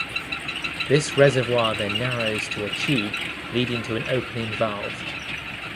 This reservoir then narrows to a tube leading to an opening valve.